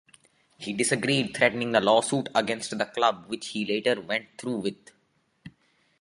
He disagreed threatening a lawsuit against the club which he later went through with.